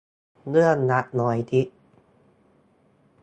เรื่องรัก น้อยนิด